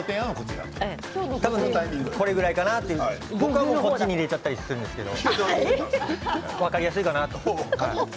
僕はこっちに入れちゃったりするんですけど分かりやすいかなと。